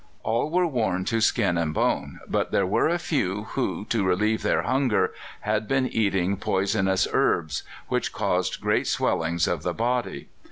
All were worn to skin and bone, but there were a few who, to relieve their hunger, had been eating poisonous herbs, which caused great swellings of the body.